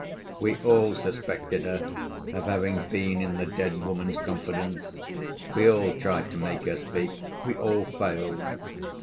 We all suspected her of having been in the dead woman's confidence; we all tried to make her speak; we all failed.